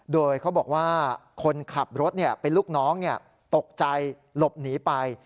โดยเขาบอกว่าคนขับรถเป็นลูกน้องตกใจหลบหนีไป